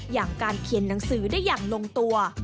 อย่างการเขียนหนังสือได้อย่างลงตัว